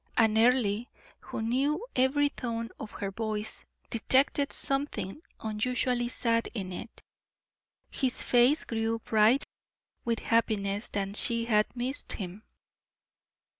And Earle, who knew every tone of her voice, detected something unusually sad in it. His face grew bright with happiness that she had missed him.